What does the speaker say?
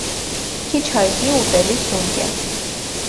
Քիչ հայտնի ուտելի սունկ է։